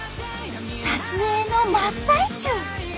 撮影の真っ最中！